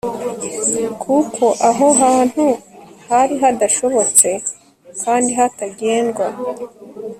kuko aho hantu hari hadashobotse kandi hatagendwa